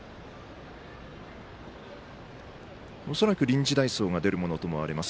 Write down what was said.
恐らく臨時代走が出るものと思われます。